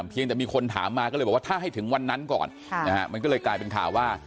เพียงแต่มีคนถามมาก็เลยบอกว่าถ้าให้ถึงวันนั้นก่อนมันก็เลยกลายเป็นข่าวว่า